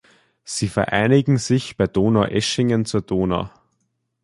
Sie vereinigen sich bei Donaueschingen zur Donau.